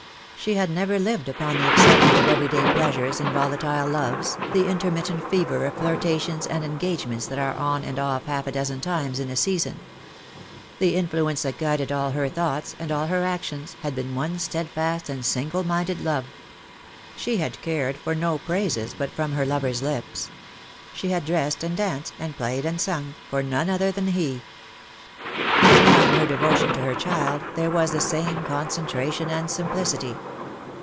She had never lived upon the ex citement of every day pleasures and volatile loves, the intermittent fever of flirtations and engagements that are on and off half a dozen times in a season. The influence that guided all her thoughts and all her actions had been one steadfast and single minded love. She had cared for no praises but from her lover's lips; she had dressed and danced, and played and sung, for none other than he. And now in her devotion to her child there was the same concentration and simplicity.